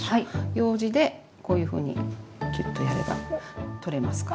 ようじでこういうふうにキュッとやれば取れますから。